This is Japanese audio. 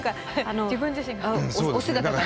自分自身が？